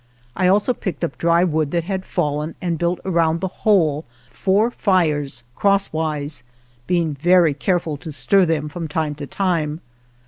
I also picked up dry wood that had fallen and built around the hole four fires crosswise, being very careful to stir them from time to time.